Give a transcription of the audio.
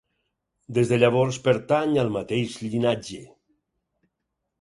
Des de llavors pertany al mateix llinatge.